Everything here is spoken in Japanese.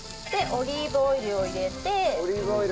オリーブオイルを入れて？